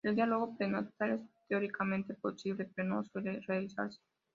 El diagnóstico prenatal es teóricamente posible, pero no suele realizarse.